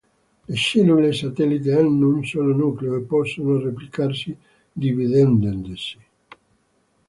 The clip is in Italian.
Le cellule satellite hanno un solo nucleo e possono replicarsi dividendosi.